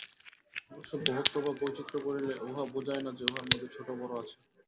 অবশ্য বহুত্ব বা বৈচিত্র্য বলিলে ইহা বুঝায় না যে, উহার মধ্যে ছোট-বড় আছে।